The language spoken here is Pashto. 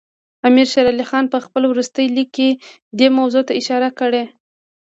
امیر شېر علي خان په خپل وروستي لیک کې دې موضوعاتو ته اشاره کړې.